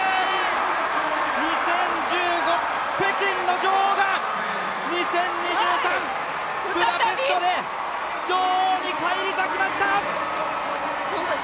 ２０１５、北京の女王が２０２３、ブダペストで女王に返り咲きました！